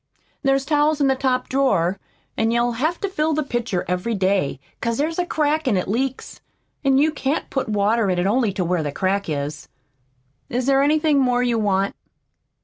There's towels in the top drawer, an' you'll have to fill the pitcher every day, 'cause there's a crack an' it leaks, an' you can't put in the water only to where the crack is. Is there anything more you want?"